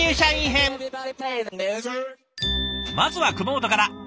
まずは熊本から。